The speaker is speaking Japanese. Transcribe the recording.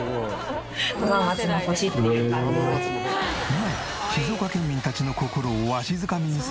今や静岡県民たちの心をわしづかみにする真実さんだが